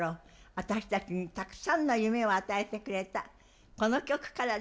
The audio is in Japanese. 私たちにたくさんの夢を与えてくれた、この曲からです。